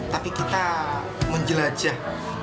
tapi kita menjelajah